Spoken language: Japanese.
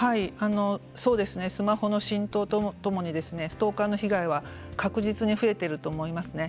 スマホの浸透とともにストーカーの被害は確実に増えていると思います。